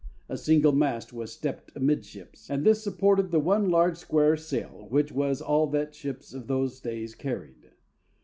A single mast was stepped amidships, and this supported the one large square sail which was all that ships of those days carried.